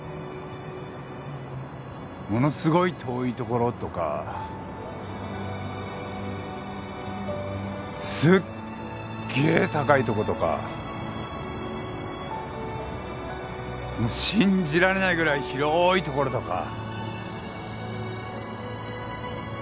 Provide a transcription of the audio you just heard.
ものすごい遠いところとかすっげえ高いとことかもう信じられないぐらい広ーいところとか。